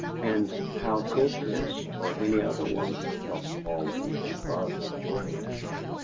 And how could this or any other woman help falling in love with George?